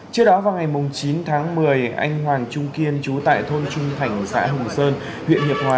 trước đó vào ngày chín tháng một mươi anh hoàng trung kiên chú tại thôn trung thành xã hồ sơn huyện hiệp hòa